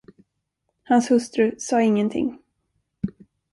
Hans hustru sade ingenting.